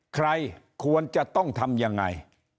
ใครควรจะต้องทำยังไง